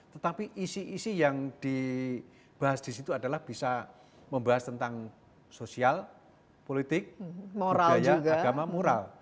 tetapi isi isi yang dibahas disitu adalah bisa membahas tentang sosial politik agama moral